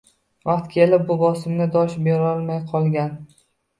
Vaqti kelib bu bosimga dosh berolmay qolgan